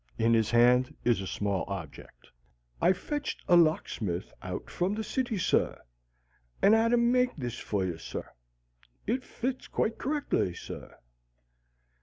In his hand is a small object. "I fetched a locksmith out from the city, sir, and 'ad 'im make this for you, sir. It fits quite correctly, sir."